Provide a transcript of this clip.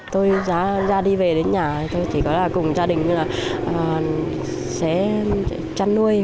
tôi ra đi về đến nhà tôi chỉ có là cùng gia đình là sẽ chăn nuôi